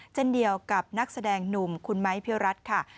เช่นเดียวกับนักแสดงหนุ่มคุณไม้พิวรัฐค่ะ